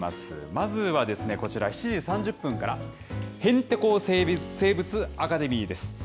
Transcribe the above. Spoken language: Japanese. まずはですね、こちら７時３０分から、へんてこ生物アカデミーです。